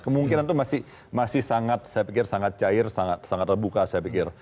kemungkinan itu masih sangat saya pikir sangat cair sangat terbuka saya pikir